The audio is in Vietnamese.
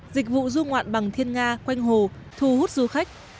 dịch vụ du ngoạn bằng thiên nga quanh hồ thu hút du khách